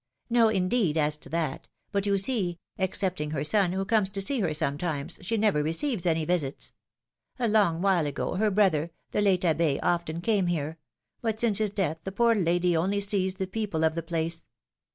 No, indeed ! as to that. But, you see, excepting her son, who comes to see her sometimes, she never receives any visits. A long while ago, her brother, the late Abbd, often came here; but, since his death, the poor lady only sees the people of the place."